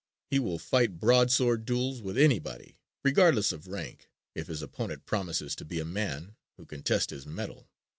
He will fight broadsword duels with anybody regardless of rank if his opponent promises to be a man who can test his mettle.